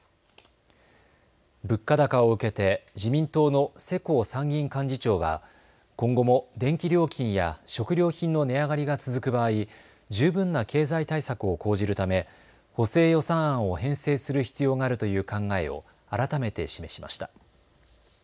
物価高を受けて自民党の世耕参議院幹事長は今後も電気料金や食料品の値上がりが続く場合、十分な経済対策を講じるため補正予算案を編成する必要があるという考えを改めて示しました。